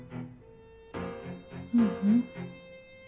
ううん。